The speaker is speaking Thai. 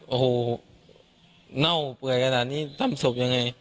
โอ้โหเน่าเปลือยกระดาษนี้ทำศพยังไง